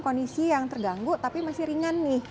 kondisi yang terganggu tapi masih ringan nih